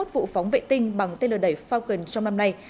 sáu mươi một vụ phóng vệ tinh bằng tên lửa đẩy falcon trong năm nay